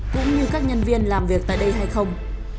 cũng như các nhân viên làm việc tại đây hay không